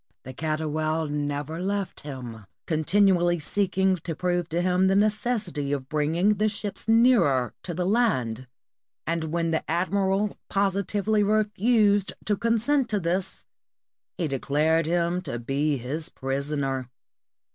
The Catoual never left him, continually seeking to prove to him the necessity of bringing the ships nearer to the land; and when the admiral positively refused to consent to this, he de clared him to be his prisoner.